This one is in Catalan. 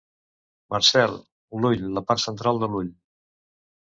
Marcel: l'ull, la part central de l'ull.